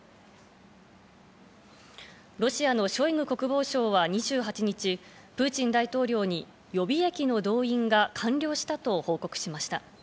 ロシアのショイグ国防相は２８日、プーチン大統領に予備役の動員が完了したと報告しました。